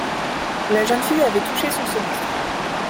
La jeune fille avait touché son semestre.